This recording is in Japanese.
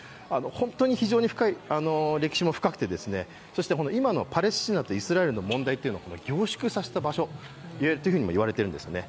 本当に非常に歴史も深くて、今のパレスチナのイスラエルの問題というのが凝縮させた場所というふうにもいわれているんですね。